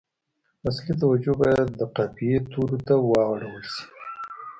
اصلي توجه باید د قافیې تورو ته واړول شي.